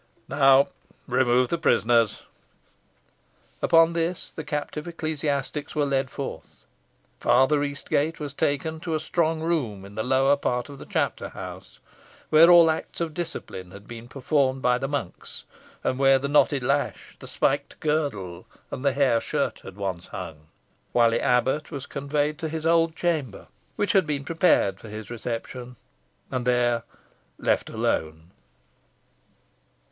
Now remove the prisoners." Upon this the captive ecclesiastics were led forth. Father Eastgate was taken to a strong room in the lower part of the chapter house, where all acts of discipline had been performed by the monks, and where the knotted lash, the spiked girdle, and the hair shirt had once hung; while the abbot was conveyed to his old chamber, which had been prepared for his reception, and there left alone.